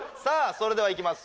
それではいきます